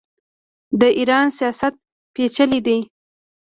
د ایران سیاست پیچلی دی.